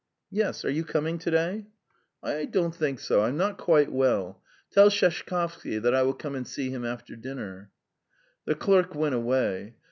"Yes. Are you coming to day?" "I don't think so. ... I'm not quite well. Tell Sheshkovsky that I will come and see him after dinner." The clerk went away.